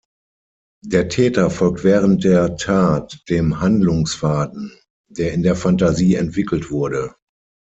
Der Täter folgt während der Tat dem Handlungsfaden, der in der Fantasie entwickelt wurde.